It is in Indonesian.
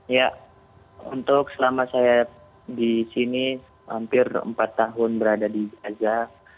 ya untuk selama saya di sini hampir empat tahun berada di gaza